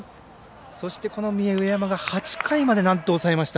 そして、三重の上山が８回までなんと抑えました。